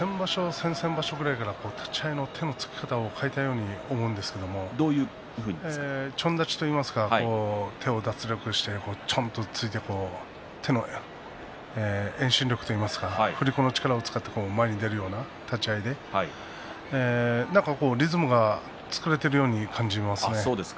先々場所くらいから立ち合いの手のつき方を変えたように思うんですがちょん立ちといいますか手を脱力して、ちょんとついて振り子の力を使って前に出るような立ち合いでリズムが作れているように感じますね。